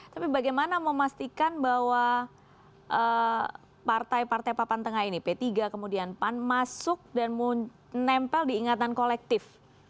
tapi bagaimana memastikan bahwa partai partai papan tengah ini p tiga kemudian pan masuk dan menempel diingatan kolektif